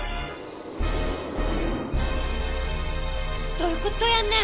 どういうことやねん？